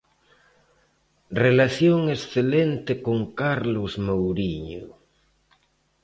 Relación excelente con Carlos Mouriño.